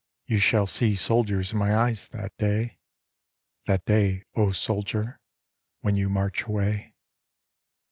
You shall see soldiers in my eyes that day That day, O soldier, when you march away.